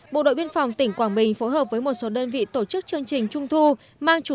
bộ đội biên phòng tỉnh quảng bình phối hợp với một số đơn vị tổ chức chương trình trung thu